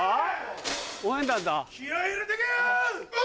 気合入れていけよ！